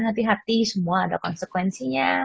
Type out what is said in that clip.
hati hati semua ada konsekuensinya